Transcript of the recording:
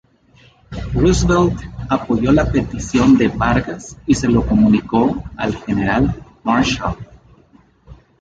Roosevelt apoyó la petición de Vargas, y se lo comunicó al general Marshall.